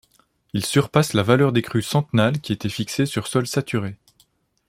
Il surpasse la valeur des crues centennales qui était fixée à sur sols saturés.